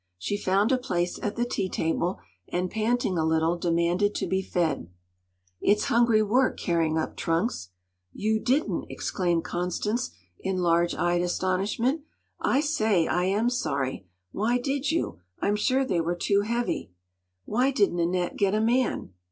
She found a place at the tea table, and panting a little demanded to be fed. “It’s hungry work, carrying up trunks!” “You didn’t!” exclaimed Constance, in large eyed astonishment. “I say, I am sorry! Why did you? I’m sure they were too heavy. Why didn’t Annette get a man?